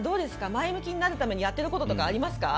前向きになるためにやってることとかありますか？